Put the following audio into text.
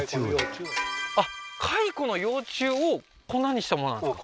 蚕の幼虫を粉にしたものなんですか？